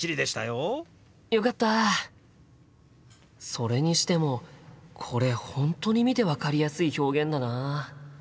それにしてもこれ本当に見て分かりやすい表現だな。